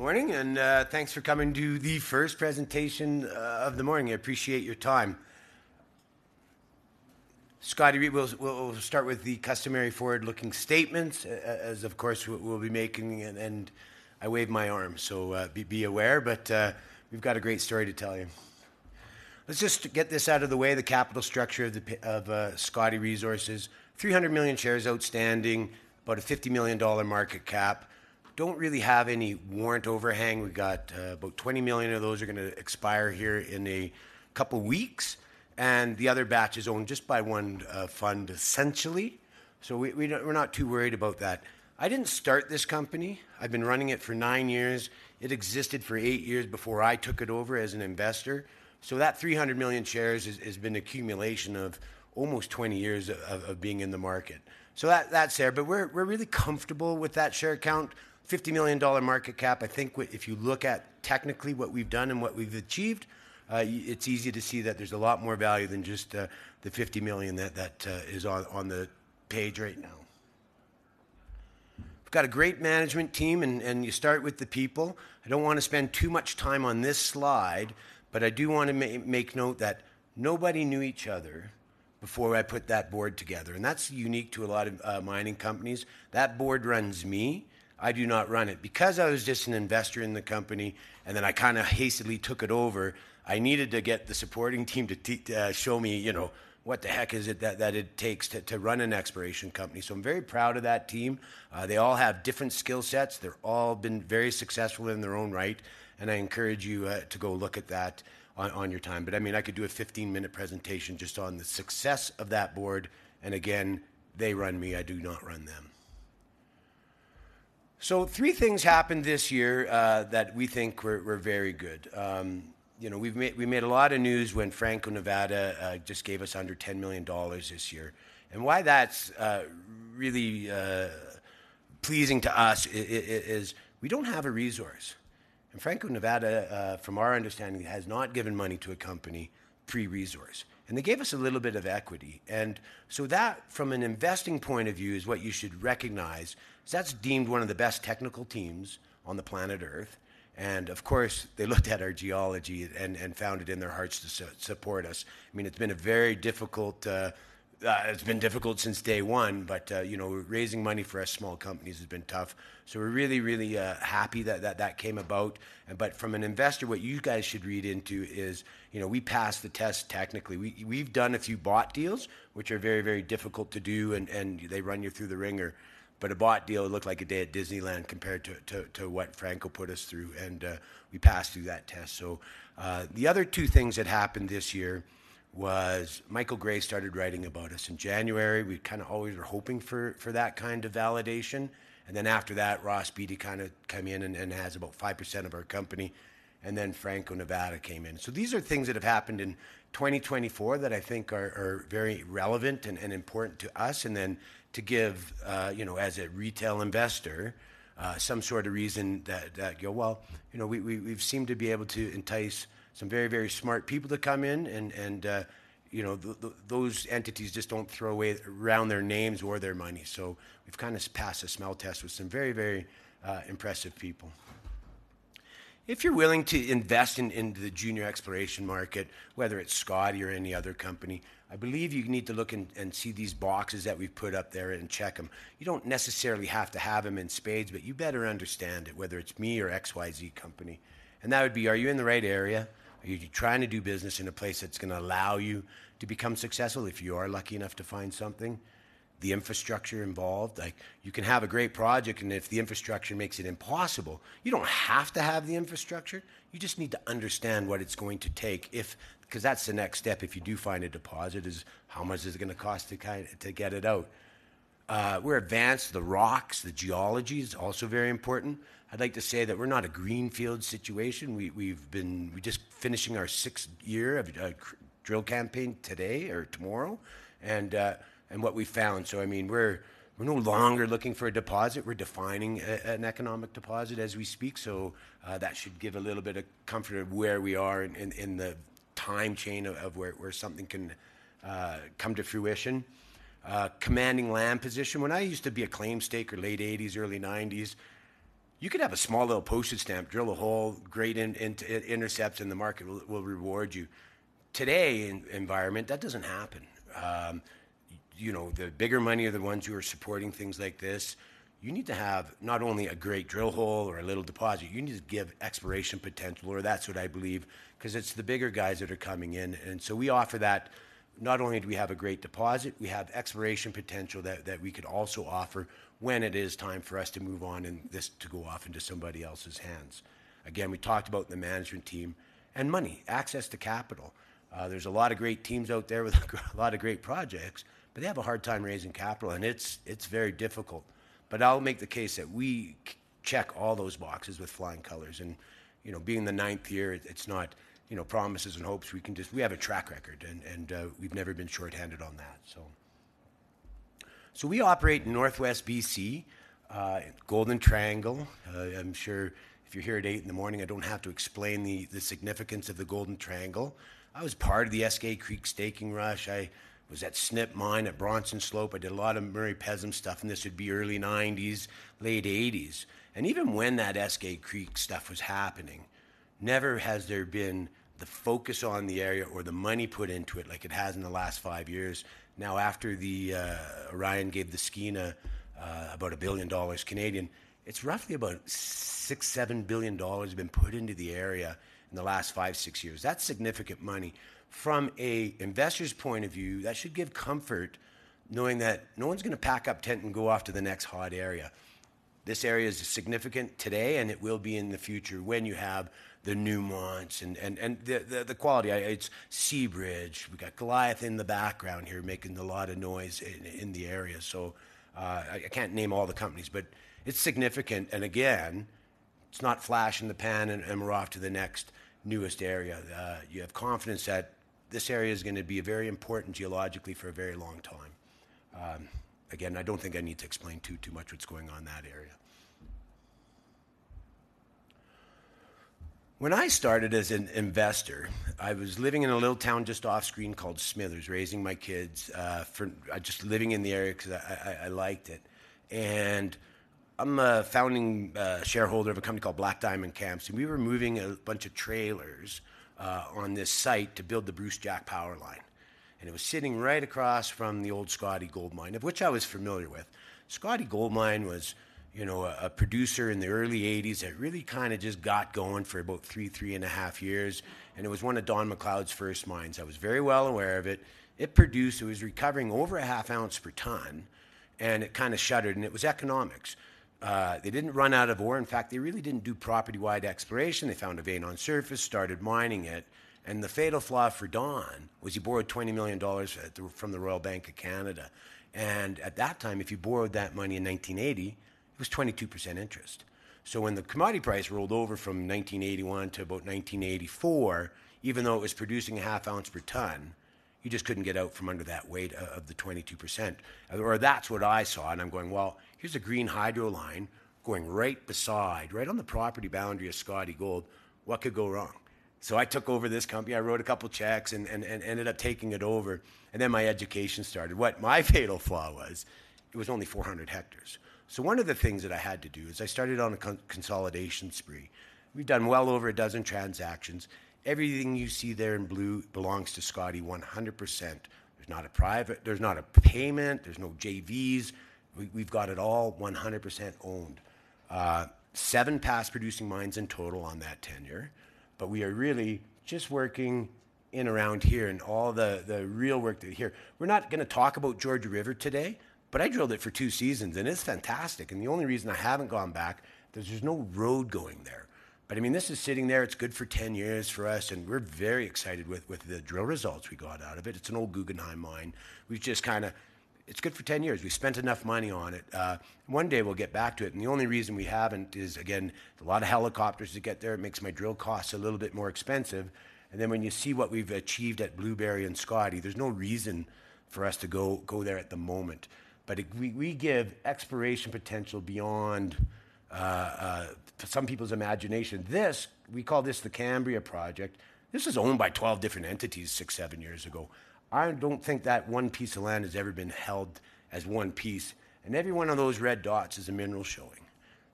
Morning, and, thanks for coming to the first presentation of the morning. I appreciate your time. Scottie Resources, we'll start with the customary forward-looking statements, as of course, we'll be making, and I wave my arm, so, be aware, but, we've got a great story to tell you. Let's just get this out of the way. The capital structure of Scottie Resources: 300 million shares outstanding, about a 50 million dollar market cap. Don't really have any warrant overhang. We've got about 20 million of those are gonna expire here in a couple weeks, and the other batch is owned just by one fund, essentially. So we don't- we're not too worried about that. I didn't start this company. I've been running it for nine years. It existed for eight years before I took it over as an investor, so that 300 million shares has been an accumulation of almost twenty years of being in the market. So that's there, but we're really comfortable with that share count, 50 million dollar market cap. I think if you look at technically what we've done and what we've achieved, it's easy to see that there's a lot more value than just the 50 million that is on the page right now. We've got a great management team, and you start with the people. I don't wanna spend too much time on this slide, but I do wanna make note that nobody knew each other before I put that board together, and that's unique to a lot of mining companies. That board runs me. I do not run it. Because I was just an investor in the company, and then I kind of hastily took it over, I needed to get the supporting team to show me, you know, what the heck is it that it takes to run an exploration company. So I'm very proud of that team. They all have different skill sets. They're all been very successful in their own right, and I encourage you to go look at that on your time. But, I mean, I could do a 15-minute presentation just on the success of that board, and again, they run me. I do not run them. So three things happened this year that we think were very good. You know, we've made... We made a lot of news when Franco-Nevada just gave us under 10 million dollars this year, and why that's really pleasing to us is we don't have a resource, and Franco-Nevada from our understanding has not given money to a company pre-resource, and they gave us a little bit of equity. And so that from an investing point of view is what you should recognize. So that's deemed one of the best technical teams on the planet Earth, and of course they looked at our geology and found it in their hearts to support us. I mean, it's been a very difficult. It's been difficult since day one, but you know raising money for us small companies has been tough. So we're really really happy that that came about. But from an investor, what you guys should read into is, you know, we passed the test technically. We, we've done a few bought deals, which are very, very difficult to do, and they run you through the wringer. But a bought deal, it looked like a day at Disneyland compared to what Franco put us through, and we passed through that test. So the other two things that happened this year was Michael Gray started writing about us in January. We kind of always were hoping for that kind of validation, and then after that, Ross Beaty kind of come in and has about 5% of our company, and then Franco-Nevada came in. So these are things that have happened in twenty twenty-four that I think are very relevant and important to us. Then to give you know as a retail investor some sort of reason that goes well you know we've seemed to be able to entice some very very smart people to come in and you know those entities just don't throw around their names or their money. So we've kind of passed a smell test with some very very impressive people. If you're willing to invest in the junior exploration market whether it's Skeena or any other company I believe you need to look and see these boxes that we've put up there and check them. You don't necessarily have to have them in spades but you better understand it whether it's me or XYZ company. That would be: Are you in the right area? Are you trying to do business in a place that's gonna allow you to become successful if you are lucky enough to find something? The infrastructure involved, like, you can have a great project, and if the infrastructure makes it impossible, you don't have to have the infrastructure. You just need to understand what it's going to take if... Because that's the next step, if you do find a deposit, is how much is it gonna cost to kinda get it out? We're advanced. The rocks, the geology is also very important. I'd like to say that we're not a greenfield situation. We're just finishing our sixth year of drill campaign today or tomorrow, and what we've found. So I mean, we're no longer looking for a deposit. We're defining an economic deposit as we speak, so that should give a little bit of comfort of where we are in the time chain of where something can come to fruition. Commanding land position. When I used to be a claim staker, late 1980s, early 1990s, you could have a small little postage stamp, drill a hole, great intercept, and the market will reward you. Today, in this environment, that doesn't happen. You know, the bigger money are the ones who are supporting things like this. You need to have not only a great drill hole or a little deposit, you need to give exploration potential, or that's what I believe, 'cause it's the bigger guys that are coming in, and so we offer that. Not only do we have a great deposit, we have exploration potential that we could also offer when it is time for us to move on and this to go off into somebody else's hands. Again, we talked about the management team and money, access to capital. There's a lot of great teams out there with a lot of great projects, but they have a hard time raising capital, and it's very difficult. But I'll make the case that we check all those boxes with flying colors, and, you know, being the ninth year, it's not, you know, promises and hopes. We have a track record, and we've never been short-handed on that, so. So we operate in Northwest BC, Golden Triangle. I'm sure if you're here at 8:00 A.M., I don't have to explain the significance of the Golden Triangle. I was part of the Eskay Creek staking rush. I was at Snip Mine, at Bronson Slope. I did a lot of Murray Pezim stuff, and this would be early 1990s, late 1980s. And even when that Eskay Creek stuff was happening, never has there been the focus on the area or the money put into it like it has in the last five years. Now, after the Orion gave the Skeena about 1 billion dollars, it's roughly about 6-7 billion dollars have been put into the area in the last five, six years. That's significant money. From an investor's point of view, that should give comfort knowing that no one's gonna pack up tent and go off to the next hot area. This area is significant today, and it will be in the future when you have the new mines and the quality. It's Seabridge. We've got Goliath in the background here, making a lot of noise in the area. So, I can't name all the companies, but it's significant, and again, it's not flash in the pan, and we're off to the next newest area. You have confidence that this area is gonna be very important geologically for a very long time. Again, I don't think I need to explain too much what's going on in that area. When I started as an investor, I was living in a little town just offscreen called Smithers, raising my kids. I just living in the area 'cause I liked it. And I'm a founding shareholder of a company called Black Diamond Camps, and we were moving a bunch of trailers on this site to build the Brucejack power line, and it was sitting right across from the old Scottie Gold Mine, of which I was familiar with. Scottie Gold Mine was, you know, a producer in the early 1980s. It really kind of just got going for about three and a half years, and it was one of Don McLeod's first mines. I was very well aware of it. It produced. It was recovering over a half ounce per ton, and it kind of shuttered, and it was economics. They didn't run out of ore. In fact, they really didn't do property-wide exploration. They found a vein on surface, started mining it, and the fatal flaw for Don was he borrowed 20 million dollars from the Royal Bank of Canada, and at that time, if you borrowed that money in 1980, it was 22% interest. So when the commodity price rolled over from 1981 to about 1984, even though it was producing a half ounce per ton, you just couldn't get out from under that weight of the 22%. Or that's what I saw, and I'm going: Well, here's a green hydro line going right beside, right on the property boundary of Scottie Gold. What could go wrong? So I took over this company. I wrote a couple checks and ended up taking it over, and then my education started. What my fatal flaw was, it was only 400 hectares. So one of the things that I had to do is, I started on a consolidation spree. We've done well over a dozen transactions. Everything you see there in blue belongs to Scottie 100%. There's not a private... There's not a payment. There's no JVs. We've got it all 100% owned. Seven past-producing mines in total on that tenure, but we are really just working in around here, and all the real work is here. We're not gonna talk about George River today, but I drilled it for two seasons, and it's fantastic, and the only reason I haven't gone back, there's just no road going there. But, I mean, this is sitting there. It's good for ten years for us, and we're very excited with, with the drill results we got out of it. It's an old Guggenheim mine. We've just kind of... It's good for ten years. We've spent enough money on it. One day we'll get back to it, and the only reason we haven't is, again, a lot of helicopters to get there. It makes my drill costs a little bit more expensive, and then, when you see what we've achieved at Blueberry and Scottie, there's no reason for us to go there at the moment. But we give exploration potential beyond some people's imagination. This, we call this the Cambria Project. This was owned by twelve different entities six, seven years ago. I don't think that one piece of land has ever been held as one piece, and every one of those red dots is a mineral showing.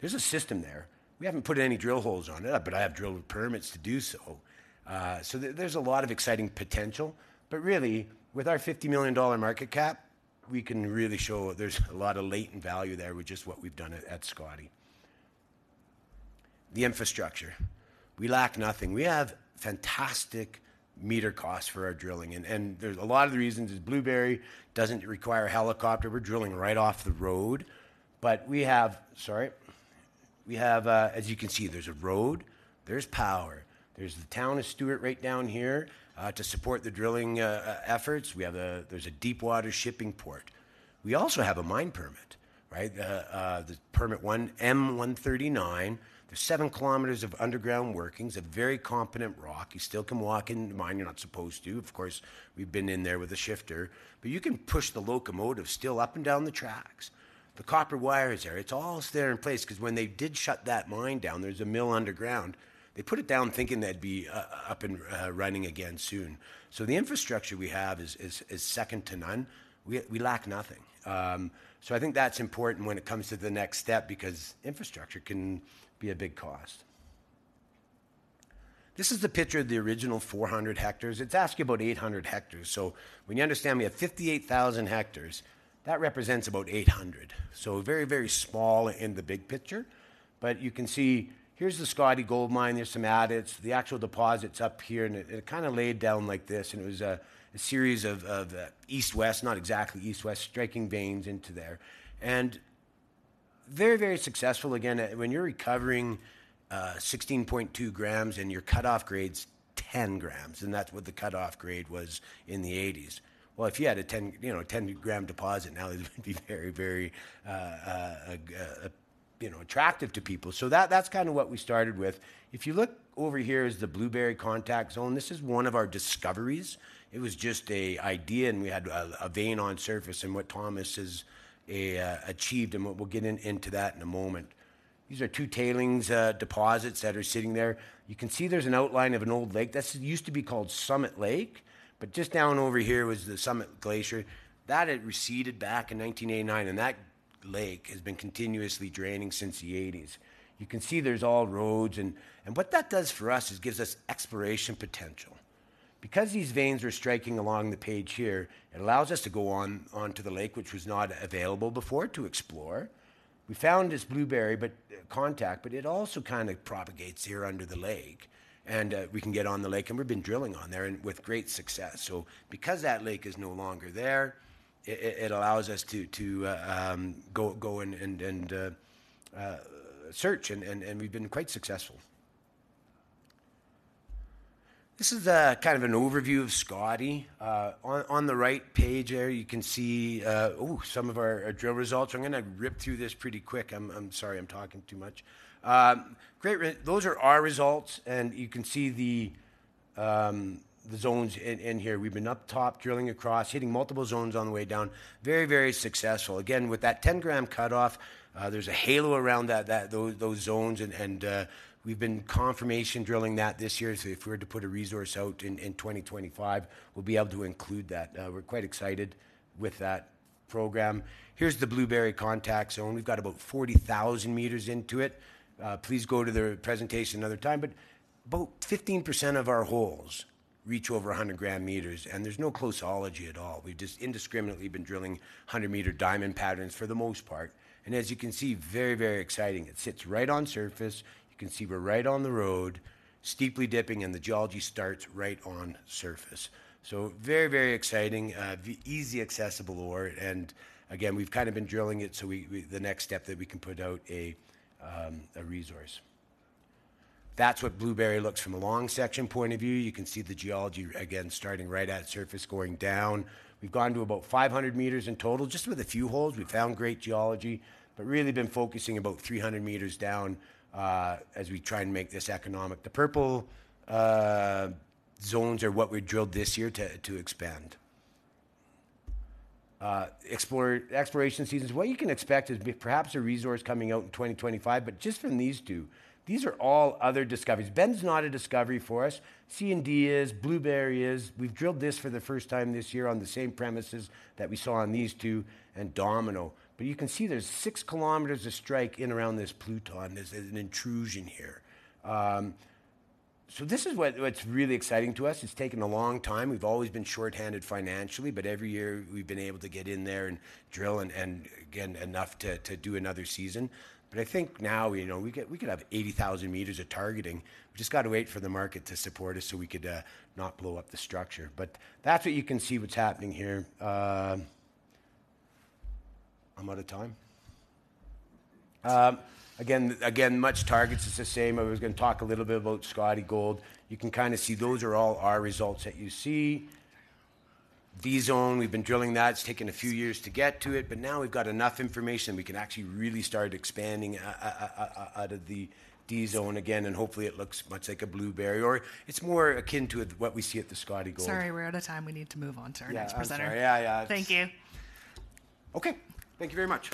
There's a system there. We haven't put any drill holes on it yet, but I have drilling permits to do so. So there, there's a lot of exciting potential, but really, with our 50 million dollar market cap, we can really show there's a lot of latent value there with just what we've done at Scottie. The infrastructure, we lack nothing. We have fantastic meter costs for our drilling, and there's a lot of the reasons is Blueberry doesn't require a helicopter. We're drilling right off the road, but we have... Sorry. We have, as you can see, there's a road, there's power, there's the town of Stewart right down here to support the drilling efforts. We have there's a deepwater shipping port. We also have a mine permit, right? The permit one, M139. There's 7 kilometers of underground workings, a very competent rock. You still can walk in the mine. You're not supposed to. Of course, we've been in there with a shifter, but you can push the locomotive still up and down the tracks. The copper wire is there. It's all still there in place, 'cause when they did shut that mine down, there's a mill underground. They put it down thinking they'd be up and running again soon, so the infrastructure we have is second to none. We lack nothing. So I think that's important when it comes to the next step, because infrastructure can be a big cost. This is the picture of the original four hundred hectares. It's actually about eight hundred hectares, so when you understand we have fifty-eight thousand hectares, that represents about eight hundred. So very, very small in the big picture, but you can see, here's the Scottie Gold Mine. There's some adits, the actual deposits up here, and it kind of laid down like this, and it was a series of east-west, not exactly east-west, striking veins into there, and very, very successful. Again, when you're recovering 16.2 grams and your cut-off grade's 10 grams, and that's what the cut-off grade was in the 1980s. Well, if you had a 10, you know, a 10-gram deposit now, it would be very, very, you know, attractive to people. So that's kind of what we started with. If you look over here is the Blueberry Contact Zone. This is one of our discoveries. It was just an idea, and we had a vein on surface, and what Thomas has achieved, and we'll get into that in a moment. These are two tailings deposits that are sitting there. You can see there's an outline of an old lake. This used to be called Summit Lake, but just down over here was the Summit Glacier. That had receded back in 1989, and that lake has been continuously draining since the 1980s. You can see there's all roads, and what that does for us is gives us exploration potential. Because these veins are striking along the page here, it allows us to go on, onto the lake, which was not available before to explore. We found this Blueberry Contact, but it also kind of propagates here under the lake, and we can get on the lake, and we've been drilling on there and with great success. So because that lake is no longer there, it allows us to go and search, and we've been quite successful. This is kind of an overview of Scottie. On the right page there, you can see some of our drill results. I'm gonna rip through this pretty quick. I'm sorry I'm talking too much. Those are our results, and you can see the zones in here. We've been up top, drilling across, hitting multiple zones on the way down. Very successful. Again, with that 10-gram cut-off, there's a halo around that, those zones, and we've been confirmation drilling that this year. So if we were to put a resource out in 2025, we'll be able to include that. We're quite excited with that program. Here's the Blueberry Contact Zone. We've got about 40,000 meters into it. Please go to the presentation another time. But about 15% of our holes reach over 100 gram meters, and there's no closeology at all. We've just indiscriminately been drilling 100-meter diamond patterns for the most part, and as you can see, very, very exciting. It sits right on surface. You can see we're right on the road, steeply dipping, and the geology starts right on surface. So very, very exciting. Easy accessible ore, and again, we've kind of been drilling it, so the next step that we can put out a resource. That's what Blueberry looks from a long section point of view. You can see the geology again, starting right at surface, going down. We've gone to about 500 meters in total, just with a few holes. We've found great geology, but really been focusing about 300 meters down, as we try and make this economic. The purple zones are what we drilled this year to expand. Exploration seasons, what you can expect is perhaps a resource coming out in 2025, but just from these two, these are all other discoveries. Bend's not a discovery for us. C and D is, Blueberry is. We've drilled this for the first time this year on the same premises that we saw on these two, and Domino. But you can see there's 6 kilometers of strike in around this pluton. There's an intrusion here. So this is what's really exciting to us. It's taken a long time. We've always been short-handed financially, but every year we've been able to get in there and drill enough to do another season. But I think now, you know, we could have 80,000 meters of targeting. We've just got to wait for the market to support us, so we could not blow up the structure. But that's what you can see, what's happening here. I'm out of time? A bunch of targets, it's the same. I was gonna talk a little bit about Scottie Gold. You can kind of see those are all our results that you see. D Zone, we've been drilling that. It's taken a few years to get to it, but now we've got enough information we can actually really start expanding out of the D Zone again, and hopefully, it looks much like a Blueberry, or it's more akin to what we see at the Scottie Gold. Sorry, we're out of time. We need to move on to our next presenter. Yeah, I'm sorry. Yeah, yeah. Thank you. Okay. Thank you very much.